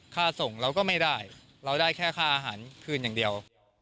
ค่าส่งเราก็ไม่ได้เราได้แค่ค่าอาหารคืนอย่างเดียว